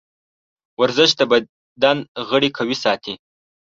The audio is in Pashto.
ورزش د بدن غړي قوي ساتي.